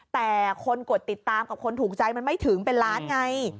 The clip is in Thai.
แต่คนกดติดตามกับคนถูกใจมันไม่ถึงเป็นล้านไง